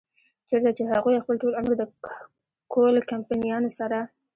چرته چې هغوي خپل ټول عمر د کول کمپنيانو سره